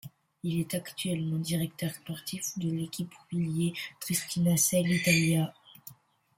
Il est actuellement directeur sportif de l'équipe Wilier Triestina-Selle Italia.